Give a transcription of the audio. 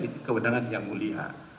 itu kewenangan yang mulia